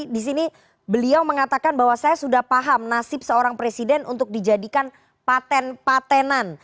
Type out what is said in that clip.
di sini beliau mengatakan bahwa saya sudah paham nasib seorang presiden untuk dijadikan paten patenan